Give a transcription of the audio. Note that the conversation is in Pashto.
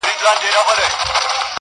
دې ساحل باندي څرک نسته د بيړیو-